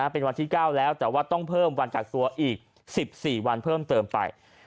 เป็นวันที่๙แล้วแต่ว่าต้องเพิ่มวันกักตัวอีก๑๔วันเพิ่มเติมไป